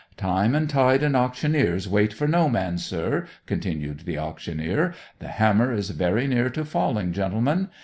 "Time and tide and auctioneers wait for no man, sir," continued the auctioneer. "The hammer is very near to falling, gentlemen.